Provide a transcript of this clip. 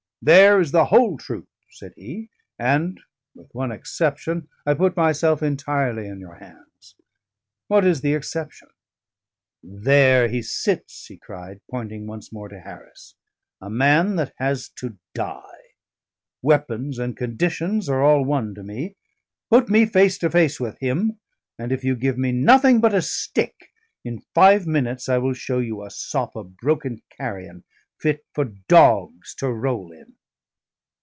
"There is the whole truth," said he: "and, with one exception, I put myself entirely in your hands. What is the exception? There he sits," he cried, pointing once more to Harris; "a man that has to die! Weapons and conditions are all one to me; put me face to face with him, and if you give me nothing but a stick, in five minutes I will show you a sop of broken carrion, fit for dogs to roll in."